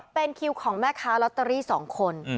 เป็นคิวของแม่ค้าลอตเตอรี่๒คน